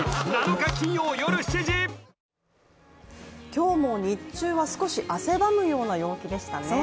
今日も日中は少し汗ばむような陽気でしたね。